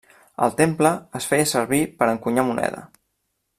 El temple es feia servir per encunyar moneda.